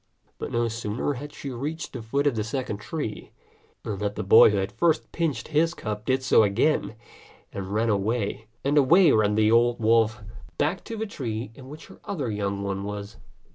But no sooner had she reached the foot of the second tree, than the boy who had first pinched his cub did so again, and away ran the old wolf back to the tree in which her other young one was.